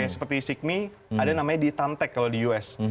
seperti sigmi ada namanya di tamtec kalau di us